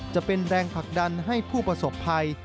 จะเป็นแรงผลักดันให้ผู้ประสบภัย